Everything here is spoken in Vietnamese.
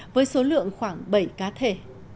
với số lượng khoảng bảy cá thể